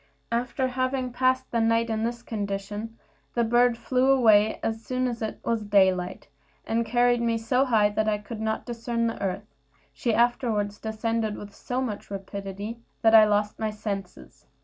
After having passed the night in this condition, the bird flew away as soon as it was daylight, and carried me so high that I could not discern the earth; she afterward descended with so much rapidity that I lost my senses.